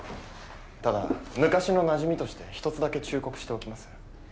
ただ昔のなじみとして一つだけ忠告しておきます。